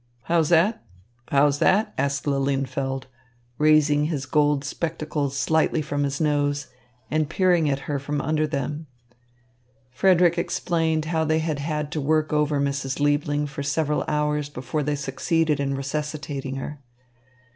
"How's that? How's that?" asked Lilienfeld, raising his gold spectacles slightly from his nose and peering at her from under them. Frederick explained how they had had to work over Mrs. Liebling for several hours before they succeeded in resuscitating her.